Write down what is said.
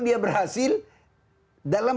dia berhasil dalam